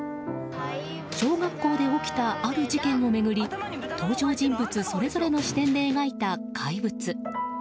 小学校で起きた、ある事件を巡り登場人物それぞれの視点で描いた「怪物」。